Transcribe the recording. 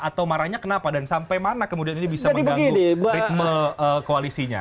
atau marahnya kenapa dan sampai mana kemudian ini bisa mengganggu ritme koalisinya